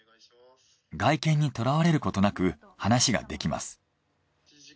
外見にとらわれることなく話ができます。